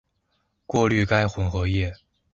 过滤该混合液。